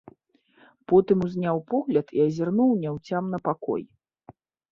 Потым узняў погляд і азірнуў няўцямна пакой.